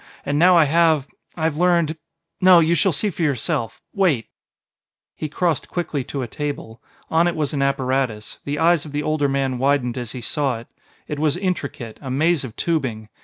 And now I have I have learned.... No, you shall see for yourself. Wait "He crossed quickly to a table. On it was an apparatus; the eyes of the older man widened as he saw it. It was intricate a maze of tubing.